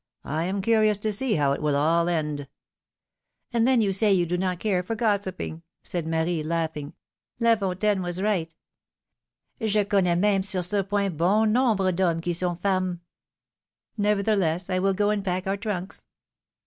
I am curious to see how it all will end!^^ "And then you say, you do not care for gossiping ! said Marie, laughing. "La Fontaine was right : connais mime sur ce point Bon nombre d'hommes qui sont femmes!* Nevertheless, I will go and pack our trunks.